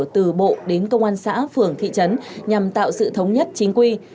từ bộ đến công an xã phường thị trấn nhằm tạo sự thống nhất chính quy